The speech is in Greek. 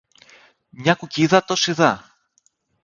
μια κουκκίδα τόση δα